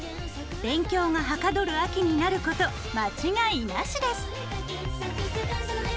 勉強がはかどる秋になること間違いなしです。